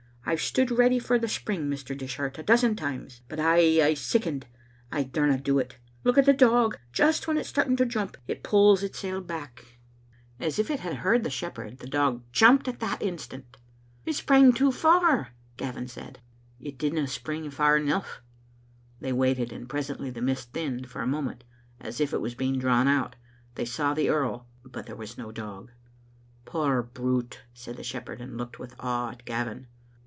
I've stood ready for the spring, Mr. Dishart, a dozen times, but I aye sickened. I daurnado it. Look at the dog; just when it's starting to jump, it pulls itsel' back/' Digitized by VjOOQ IC 856 tsbc Xfttle Afnfeter. As if it had heard the shepherd, the dog jumped at that instant. " It sprang too far," Gavin said. " It didna spring far enough. " They waited, and presently the mist thinned for a moment, as if it was being drawn out. They saw the earl, but there was no dog. "Poor brute," said the shepherd, and looked with awe at Gavin.